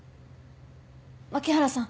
槇原さん